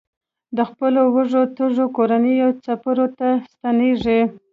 د خپلو وږو تږو کورنیو څپرو ته ستنېږي.